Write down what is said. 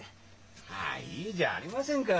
まあいいじゃありませんか。